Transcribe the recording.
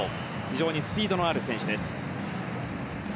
非常にスピードのある選手です。